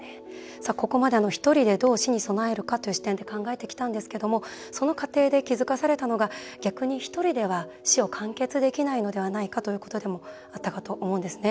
ここまで一人でどう死に備えるかという視点で考えてきたんですけども逆にひとりでは死を完結できないのではないかということであったと思うんですね。